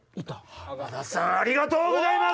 浜田さんありがとうございます！